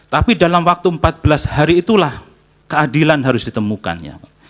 tapi dalam waktu empat belas hari itulah keadilan harus ditemukan ya